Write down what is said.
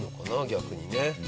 逆にね。